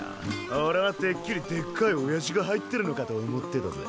俺はてっきりでっかいおやじが入ってるのかと思ってたぜ。